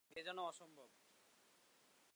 এ যেন অসম্ভব।